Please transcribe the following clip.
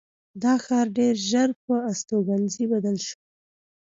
دا ښار ډېر ژر پر استوګنځي بدل شو.